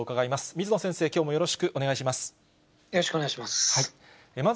水野先生、よろしくお願いします。